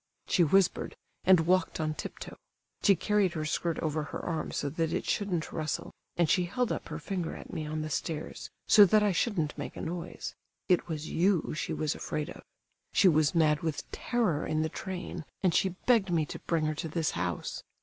She whispered, and walked on tip toe; she carried her skirt over her arm, so that it shouldn't rustle, and she held up her finger at me on the stairs, so that I shouldn't make a noise—it was you she was afraid of. She was mad with terror in the train, and she begged me to bring her to this house.